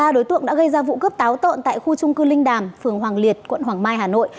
ba đối tượng đã gây ra vụ cướp táo tợn tại khu trung cư linh đàm phường hoàng liệt quận hoàng mai hà nội